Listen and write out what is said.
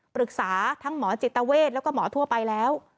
ปรึกษาทั้งหมอจิตเวทแล้วก็หมอทั่วไปแล้ว